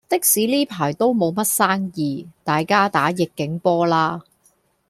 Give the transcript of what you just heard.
的士呢排都無乜生意，大家打逆境波啦